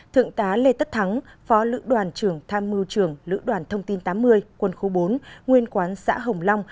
bảy thượng tá lê tất thắng phó lữ đoàn trưởng tham mưu trưởng lữ đoàn thông tin tám mươi quân khu bốn nguyên quán xã hồng long